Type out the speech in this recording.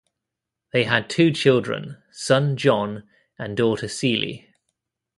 They had two children, son John and daughter, Celie.